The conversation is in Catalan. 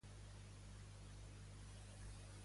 Qui l'havia rescatat, a Butes?